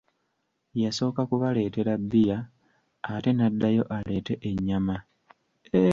Yasooka kubaleetera bbiya, ate n'addayo aleete ennyama.